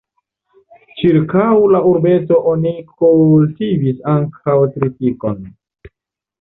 Ĉirkaŭ la urbeto oni kultivis ankaŭ tritikon.